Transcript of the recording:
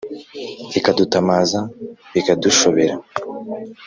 Ikadutamaza bikadushobera!